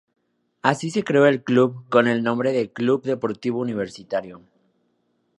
Así se creó el club con el nombre de Club Deportivo Universitario.